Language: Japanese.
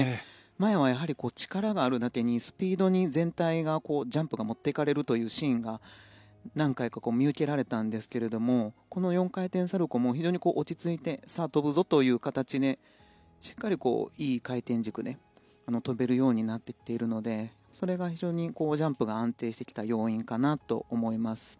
前は、力があるだけにスピードに全体、ジャンプが持っていかれるシーンが何回か見受けられたんですけどこの４回転サルコウも非常に落ち着いてさあ、跳ぶぞという感じでしっかりいい回転軸で跳べるようになってきているのでそれが非常にジャンプが安定してきた要因かなと思います。